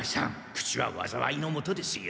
「口は災いのもと」ですよ。